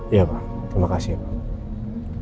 iya pak terima kasih pak